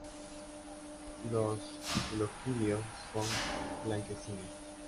Los gloquidios son blanquecinos.